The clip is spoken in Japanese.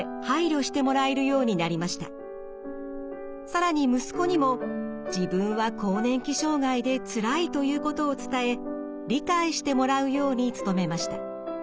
更に息子にも自分は更年期障害でつらいということを伝え理解してもらうように努めました。